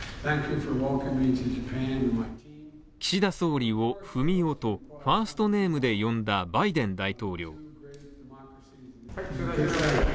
岸田総理をフミオとファーストネームで呼んだバイデン大統領。